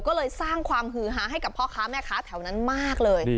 ก็เลยสร้างความฮือฮาให้กับพ่อค้าแม่ค้าแถวนั้นมากเลย